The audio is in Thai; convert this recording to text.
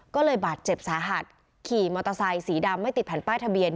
ก็เลยบาดเจ็บสาหัสขี่มอเตอร์ไซค์สีดำไม่ติดแผ่นป้ายทะเบียน